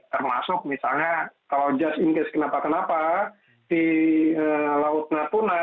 termasuk misalnya kalau just in case kenapa kenapa di laut natuna